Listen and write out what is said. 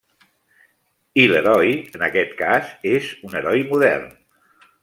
I l'heroi, en aquest cas, és un heroi modern.